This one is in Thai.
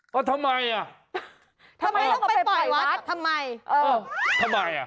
ก็ทำไมอ่ะทำไมต้องไปปล่อยวัดทำไมเออทำไมอ่ะ